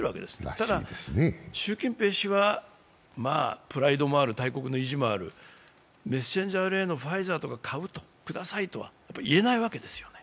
ただ習近平氏はプライドもある大国の意地もあるメッセンジャーＲＮＡの株を買う、くださいとは言えないわけですよね。